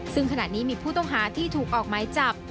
ซึ่งขณะนี้มีผู้ต้องหาที่ถูกออกหมายจับ